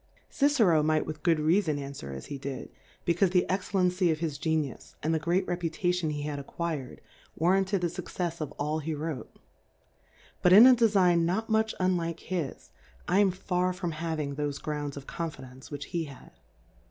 I Cicero anight with good Reafonanfwer \ as he didj hecaufe the Excellency of his i Genius J a7id the great Refutation he had ; acquv/^d^ warranted the Sue cefs of all he ] wrote : But in a Defign^ not much unlike \ his^ I am far from havingthofe Grounds i of Confidence which he had.